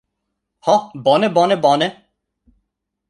Ho, bone, bone, bone.